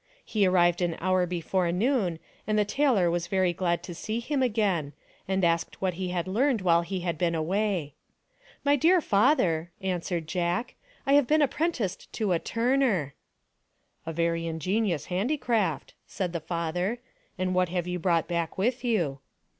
He arrived an hour before noon and the tailor was very glad to see him again and asked what he had learned while he had been away. " My dear father," answered Jack, " I have been apprenticed to a turner." THE DONKEY, THE TABLE, AND THE STICK 299 " A very ingenious handicraft," said the father, " and what have you brought back with you